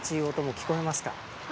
聞こえます。